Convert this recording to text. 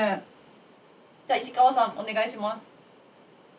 じゃあ石川さんお願いします。